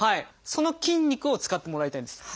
その筋肉を使ってもらいたいんです。